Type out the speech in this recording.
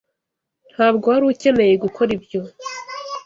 Ntabwo wari ukeneye gukora ibyo.